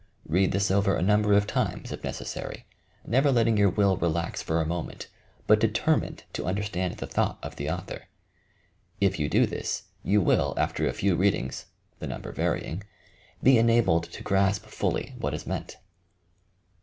Read this over a number of times, if necessary, never letting your will relax for a moment, but de termined to understand the thought of the author. If you do this, you will, after a few readings (the number varying) be enabled to grasp fully what is meant.